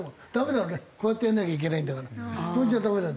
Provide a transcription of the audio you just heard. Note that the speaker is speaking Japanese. こうやってやらなきゃいけないんだからこれじゃダメ。